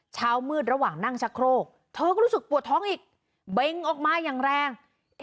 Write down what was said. เช้ามืดระหว่างนั่งชักโครกเธอก็รู้สึกปวดท้องอีกเบงออกมาอย่างแรง